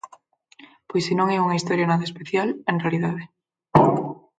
Pois si non é unha historia nada especial, en realidade.